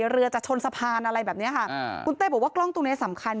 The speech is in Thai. เรือจะชนสะพานอะไรแบบเนี้ยค่ะอ่าคุณเต้บอกว่ากล้องตรงเนี้ยสำคัญ